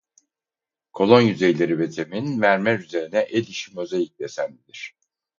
Kolon yüzeyleri ve zemin mermer üzerine el işi mozaik desenlidir.